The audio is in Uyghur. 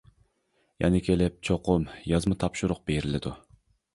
يەنە كېلىپ چوقۇم يازما تاپشۇرۇق بېرىلىدۇ.